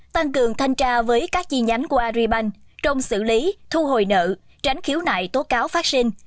tăng cường thanh tra với các chi nhánh của aribank trong xử lý thu hồi nợ tránh khiếu nại tố cáo phát sinh